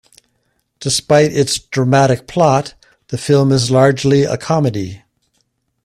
Despite its dramatic plot, the film is largely a comedy.